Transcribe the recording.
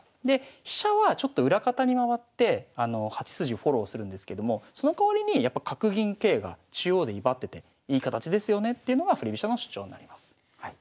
で飛車はちょっと裏方に回って８筋フォローするんですけどもそのかわりに角銀桂が中央で威張ってていい形ですよねっていうのが振り飛車の主張になります。